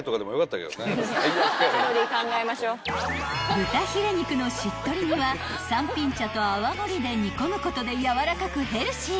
［豚ヒレ肉のしっとり煮はさんぴん茶と泡盛で煮込むことでやわらかくヘルシー］